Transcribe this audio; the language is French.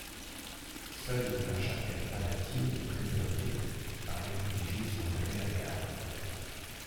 Seule la chapelle Palatine est préservée par les religieux qui en avaient la garde.